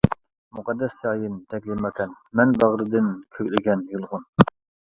مۇقەددەس جايىم تەكلىماكان، مەن باغرىدىن كۆكلىگەن يۇلغۇن.